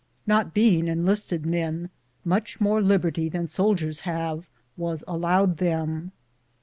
Not being enlisted men, much more liberty than soldiers have was allowed them.